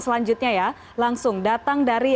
selanjutnya ya langsung datang dari